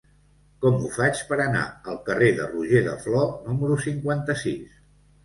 Com ho faig per anar al carrer de Roger de Flor número cinquanta-sis?